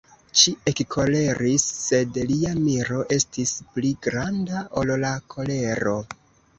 Li ekkoleris, sed lia miro estis pli granda, ol la kolero.